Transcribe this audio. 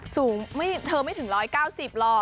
สูงเธอไม่ถึง๑๙๐หรอกจริงแล้ว